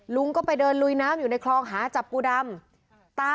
ลุงก็ไปเดินลุยน้ำอยู่ในคลองหาจับปูดำ